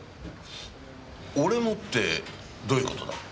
俺もってどういう事だ？